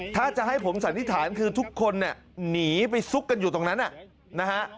ถ้าจะให้ผมสันนิษฐานคือทุกคนเนี่ยหนีไปซุกกันอยู่ตรงนั้นนะฮะ